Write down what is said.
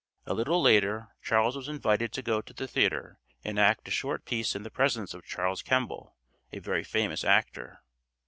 A little later Charles was invited to go to the theatre and act a short piece in the presence of Charles Kemble, a very famous actor.